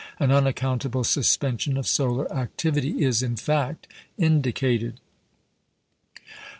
An unaccountable suspension of solar activity is, in fact, indicated.